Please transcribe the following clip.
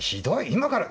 今から。